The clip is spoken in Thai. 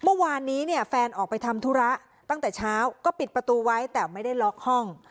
เมื่อวานนี้เนี่ยแฟนออกไปทำธุระตั้งแต่เช้าก็ปิดประตูไว้แต่ไม่ได้ล็อกห้อง